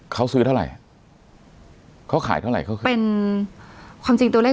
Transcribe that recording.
เขาซื้อเท่าไรเขาขายเท่าไรเขาเป็นความจริงตัวเลข